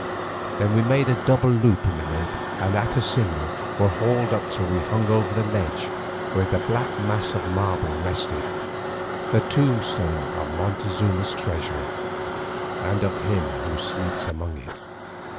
Then we made a double loop in the rope, and at a signal were hauled up till we hung over the ledge where the black mass of marble rested, the tombstone of Montezuma's treasure, and of him who sleeps among it.